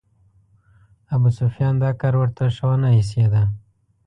ابوسفیان دا کار ورته شه ونه ایسېده.